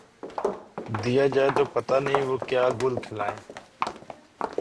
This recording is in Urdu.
دیا جائے تو پتا نہیں وہ کیا گل کھلائیں۔